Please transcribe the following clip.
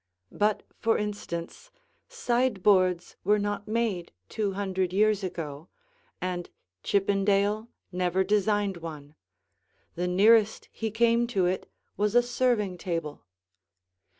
But, for instance, sideboards were not made two hundred years ago, and Chippendale never designed one; the nearest he came to it was a serving table.